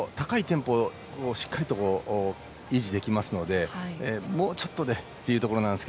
高いテンポをしっかりと維持できますのでもうちょっとでというところなんですが。